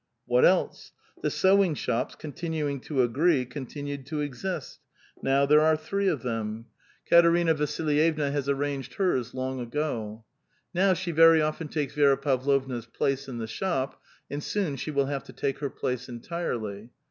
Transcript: What else? The sewing shops, continuing to agree, con tinued to exist. Now there are three of them. Kateriaa 448 A VITAL QUESTION. Vasilyevna has arranged hers long ago. Now she very often takes Vi6ra Pavlovna's place in the shop, and soon she will have to take her place entirely.